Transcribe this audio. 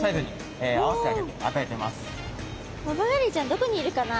どこにいるかな。